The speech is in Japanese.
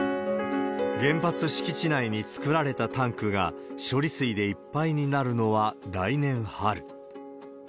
原発敷地内に作られたタンクが処理水でいっぱいになるのは来年春。